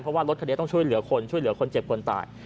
เพราะว่ารถคันนี้ต้องช่วยเหลือคนช่วยเหลือคนเจ็บคนตาย